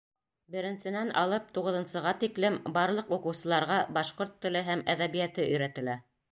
Беренсенән алып туғыҙынсыға тиклем барлыҡ уҡыусыларға башҡорт теле һәм әҙәбиәте өйрәтелә.